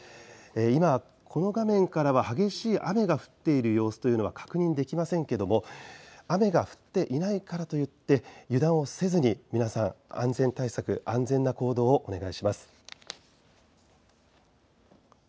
今、この画面からは激しい雨が降っている様子は確認できませんけれども雨が降っていないからといって油断はせずに皆さん、安全対策安全な行動をお願いします。